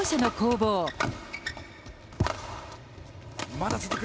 まだ続く。